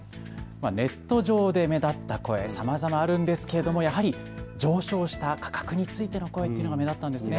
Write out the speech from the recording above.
ネット上で目立った声、さまざまあるんですがやはり上昇した価格についての声が目立ったんです。